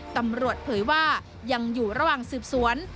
เผยว่ายังอยู่ระหว่างสืบสวน